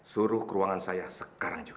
suruh ke ruangan saya sekarang juga